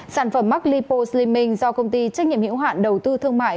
sản phẩm max lipo slimming do công ty trách nhiệm hiệu hạn đầu tư thương mại